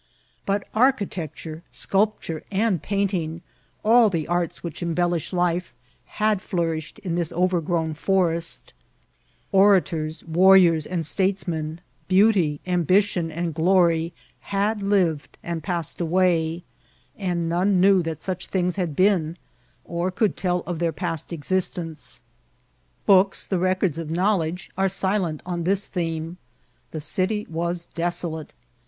106 bat architecttire, sculpture, and painting, all the arts which embellish life, had flourished in this oyergro¥m forest ; orators, warriors, and statesmen, beauty, ambi tion, and glory, had lived and passed away, and none knew that such things had been, or could tell of their past existence. Books, the records of knowledge, are silent on this theme. The city was desolate.